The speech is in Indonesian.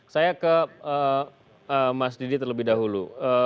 saya ke mas didi terlebih dahulu